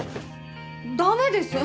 ダメです。